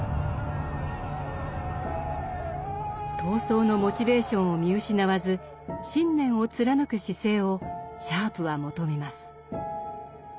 闘争のモチベーションを見失わず信念を貫く姿勢をシャープは求めます。